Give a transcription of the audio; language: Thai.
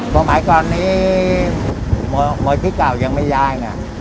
ประมาณก่อนนี้หมดที่เก่ายังไม่ย้าย